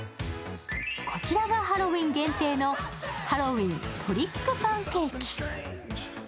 こちらがハロウィーン限定のハロウィントリックパンケーキ。